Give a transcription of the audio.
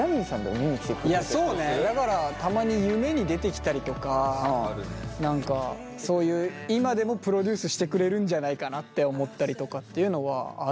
だからたまに夢に出てきたりとか何かそういう今でもプロデュースしてくれるんじゃないかなって思ったりとかっていうのはあるよね。